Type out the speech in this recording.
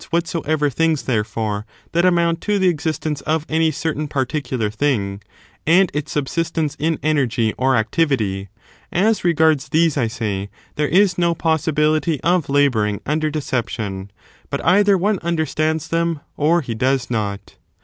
251 soever things, therefore, that amount to the existence of any certain particular thing, and its subsistence in energy or activity, as regards these, I say, there is no possibility of labouring under deception, but either one understands them or he does not.